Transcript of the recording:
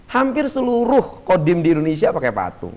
hampir seluruh kodim di indonesia pakai patung